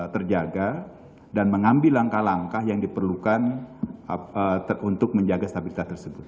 terjaga dan mengambil langkah langkah yang diperlukan untuk menjaga stabilitas tersebut